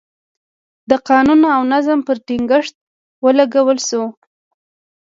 د قانون او نظم پر ټینګښت ولګول شوې.